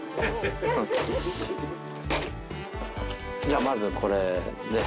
じゃあまずこれで。